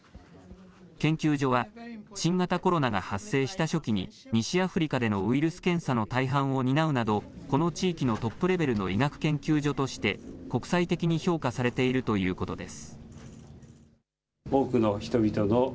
研究所は新型コロナが発生した初期に西アフリカでのウイルス検査の大半を担うなど、この地域のトップレベルの医学研究所として国際的に評価されているということです。